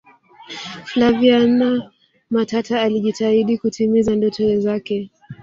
flaviana matata alijitahidi kutimiza ndoto zake